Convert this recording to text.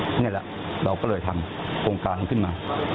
นี่แหละเราก็เลยทำโครงการขึ้นมา